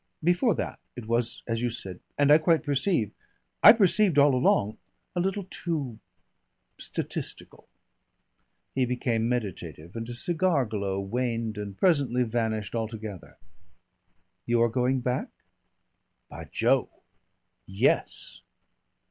Before that it was, as you said, and I quite perceive I perceived all along a little too statistical." He became meditative, and his cigar glow waned and presently vanished altogether. "You are going back?" "By Jove! _Yes.